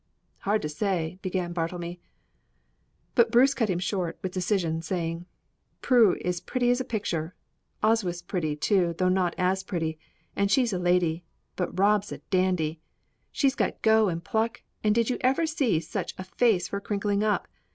"Hard to say," began Bartlemy, but Bruce cut him short with decision, saying: "Prue's as pretty as a picture; Oswyth's pretty, too, though not as pretty, and she's a lady, but Rob's a dandy! She's got go and pluck, and did you ever see such a face for crinkling up?